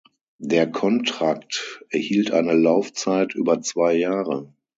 Der Kontrakt erhielt eine Laufzeit über zwei Jahre.